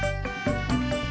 aku mau berbual